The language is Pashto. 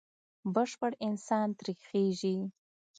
بشپړ انسان ترې خېژي.